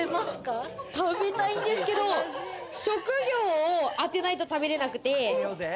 食べたいんですけど、職業を当てないと食べれなくて。